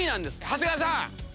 長谷川さん！